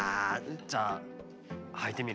じゃあはいてみる？